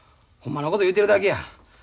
ほんまのこと言うてるだけや。